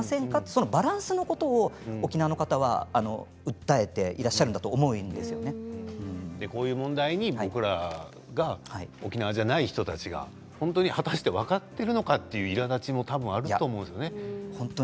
そのバランスのことを沖縄の方は訴えていらっしゃるんだとこういう問題に僕ら沖縄じゃない人たちが本当に果たして分かっているのかといういらだちもたぶんあると思うんですね。